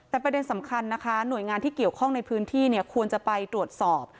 แต่ประเด็นสำคัญนะคะหน่วยงานที่เกี่ยวข้องในพื้นที่เนี่ยควรจะไปตรวจสอบ